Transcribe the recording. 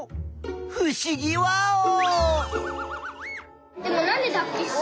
ふしぎワオー！